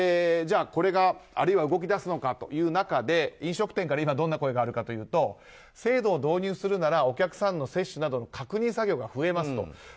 これが、あるいは動き出すのかという中で飲食店からどんな声があるかというと制度を導入するならお客さんの接種などの確認作業が増えますと。